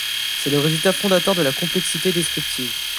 C'est le résultat fondateur de la complexité descriptive.